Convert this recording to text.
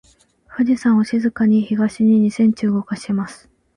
富士山を静かに東に二センチ動かします。